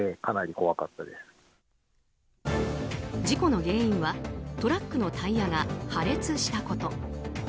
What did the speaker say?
事故の原因はトラックのタイヤが破裂したこと。